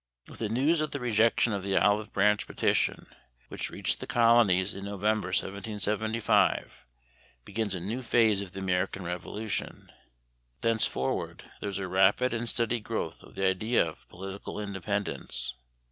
With the news of the rejection of the Olive Branch Petition which reached the colonies in November, 1775, begins a new phase of the American Revolution. Thenceforward, there is a rapid and steady growth of the idea of political independence.